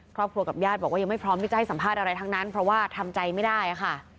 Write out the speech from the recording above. ครอบครัวกับญาติบอกว่ายังไม่พร้อมที่จะให้สัมภาษณ์อะไรทั้งนั้นเพราะว่าทำใจไม่ได้ค่ะ